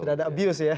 sudah ada abuse ya